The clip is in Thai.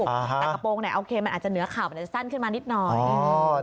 แต่กระโปรงเนี่ยโอเคมันอาจจะเหนือข่าวมันจะสั้นขึ้นมานิดหน่อย